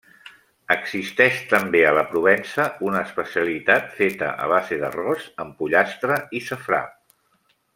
Existeix també a la Provença una especialitat feta a base d'arròs amb pollastre i safrà.